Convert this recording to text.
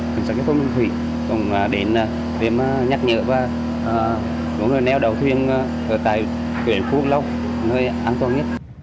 cảnh sát giao thông công an tp huế cũng đến việc nhắc nhở và hướng dẫn cho các chủ tàu thuyền ở tại khu vực lâu nơi an toàn nhất